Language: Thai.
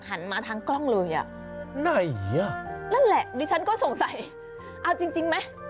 หันมาทั้งกล้องเลยอ่ะนั่นแหละดิฉันก็สงสัยเอาจริงมั้ย